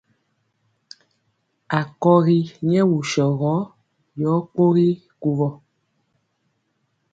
Akɔgi nyɛ wusɔ gɔ yɔ kpogi kuvɔ.